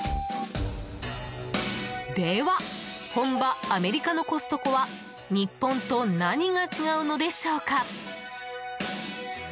では、本場アメリカのコストコは日本と何が違うのでしょうか？